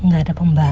gak ada pembantu